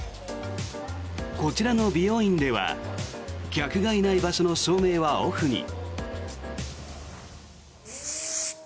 こちらの美容院では客がいない場所の照明はオフに。